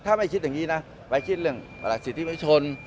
ถ้าไม่คิดอย่างนี้นะไปคิดเรื่องภรรยาศิษย์ที่ไม่ชน